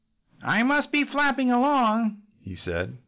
"I must be flapping along," he said.